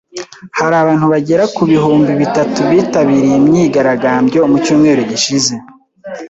Hari abantu bagera ku bihumbi bitatu bitabiriye imyigaragambyo mu cyumweru gishize.